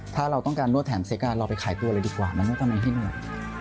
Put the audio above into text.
ถ้าเราต้องการนวดแถมเซ็กเราไปขายตัวเลยดีกว่ามันก็ทำให้เหนื่อย